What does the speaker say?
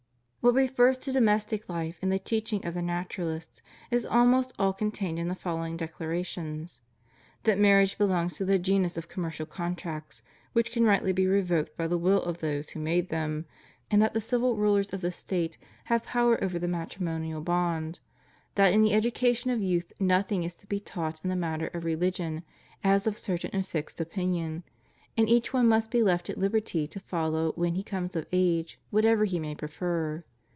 What refers to domestic life in the teaching of the Naturalists is almost all contained in the following declarations. That marriage belongs to the genus of commercial contracts, which can rightly be revoked by the will of those who made them, and that the civil rulers of the State have power over the matrimonial bond; that in the education of youth nothing is to be taught in the matter of religion as of certain and fixed opinion; and each one must be left at liberty to follow, when he comes of age, whatever he may prefer.